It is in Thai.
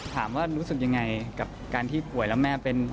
รู้สึกยังไงกับการที่ป่วยแล้วแม่เป็น